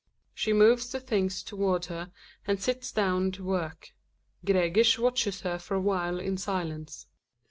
She moves the things towards her and sits down to work; Gregers watches her for a while in silence, Gregers.